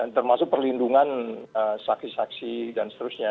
termasuk perlindungan saksi saksi dan seterusnya